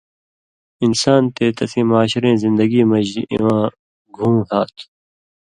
انسان تے تسیں معاشرَیں زندگی مژ اِواں گُھوں ہا تُھو۔